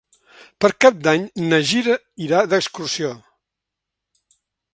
Per Cap d'Any na Gina irà d'excursió.